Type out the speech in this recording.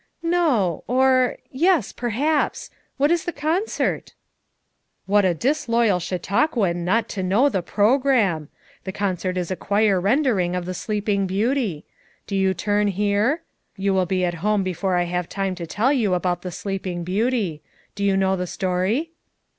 "Xo; or — yes, perhaps. What is the con cert?" ""What a disloyal Chautauquan not to know the program! The concert is a choir render ing of the Sleeping Beauty. Do you turn here? You will be at home before I have time to tell you about the sleeping beauty. Do you know the story?"